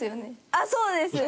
あっそうです！